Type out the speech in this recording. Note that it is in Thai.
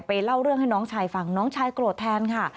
เล่าเรื่องให้น้องชายฟังน้องชายโกรธแทนค่ะ